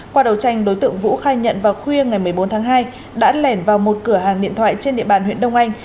qua đầu tranh đối tượng vũ khai nhận vào khuya ngày một mươi bốn tháng hai đã lẻn vào một cửa hàng điện thoại trên địa bàn huyện đông anh